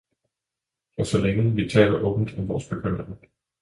For så længe vi taler åbent om vores bekymringer.